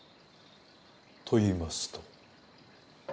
と言いますと？